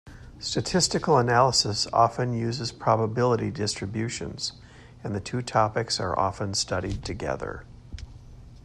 Statistical analysis often uses probability distributions, and the two topics are often studied together.